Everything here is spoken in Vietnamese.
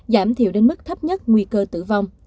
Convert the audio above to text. giảm thiểu đến mức thấp nhất nguy cơ tử vong